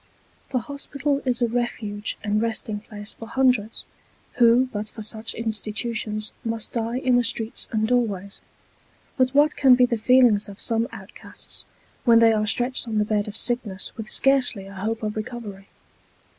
The hospital is a refuge and resting place for hundreds, who but for such institutions must die in the streets and doorways ; but what can be the feelings of some outcasts when they are stretched on the bed of sickness with scarcely a hope of recovery?